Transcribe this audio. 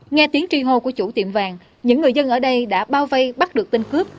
nghe tiếng truy hô của chủ tiệm vàng những người dân ở đây đã bao vây bắt được tên cướp